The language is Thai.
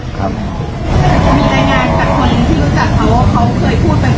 มีรายงานจากคนที่รู้จักเขาว่าเขาเคยพูดเป็นเกยว